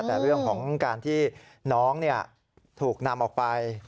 แต่เรื่องของการที่น้องถูกนำออกไป